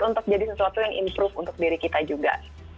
untuk jadi sesuatu yang improve untuk diri kita juga